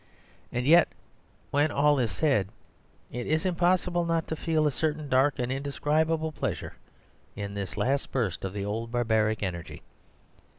And yet, when all is said, it is impossible not to feel a certain dark and indescribable pleasure in this last burst of the old barbaric energy.